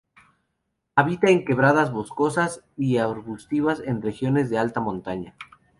Habita en quebradas boscosas y arbustivas en regiones de alta montaña.